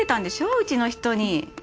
うちの人に。